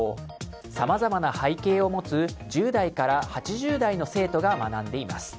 さまざまな背景を持つ１０代から８０代の生徒が学んでいます。